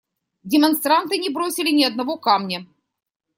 Демонстранты не бросили ни одного камня.